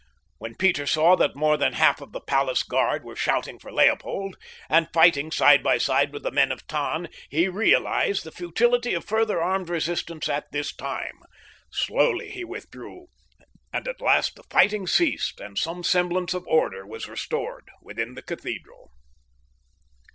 When Peter saw that more than half of the palace guard were shouting for Leopold, and fighting side by side with the men of Tann, he realized the futility of further armed resistance at this time. Slowly he withdrew, and at last the fighting ceased and some semblance of order was restored within the cathedral.